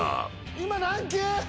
今何球？